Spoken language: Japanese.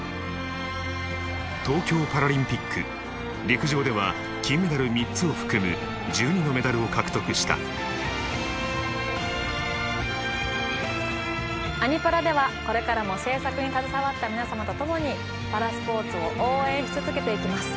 陸上では金メダル３つを含む１２のメダルを獲得した「アニ×パラ」ではこれからも制作に携わった皆様と共にパラスポーツを応援し続けていきます。